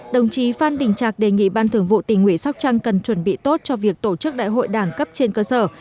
đồng chí phan đình trạc đề nghị ban thường vụ tỉnh ủy sóc trăng cần chuẩn bị tốt cho việc tổ chức đại hội đảng cấp trên cơ sở